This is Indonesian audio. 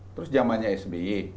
terus zamannya sby